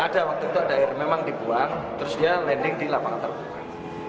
ada waktu itu ada air memang dibuang terus dia landing di lapangan terbuka